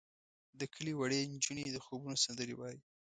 د کلي وړې نجونې د خوبونو سندرې وایې.